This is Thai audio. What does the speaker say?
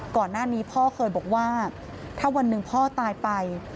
ก่อนหน้านี้พ่อเคยบอกว่าถ้าวันหนึ่งพ่อตายไป